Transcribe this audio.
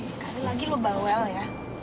sekali lagi lo bawel ya